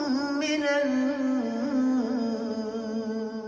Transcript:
nih makan dulu nih